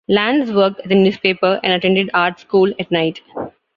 Lantz worked at the newspaper and attended art school at night.